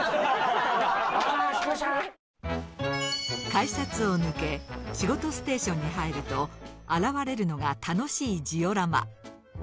改札を抜け仕事ステーションに入ると現れるのが楽しいジオラマ。